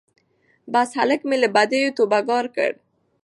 بس هلک مي له بدیو توبه ګار کړ